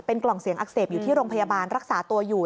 กล่องเสียงอักเสบอยู่ที่โรงพยาบาลรักษาตัวอยู่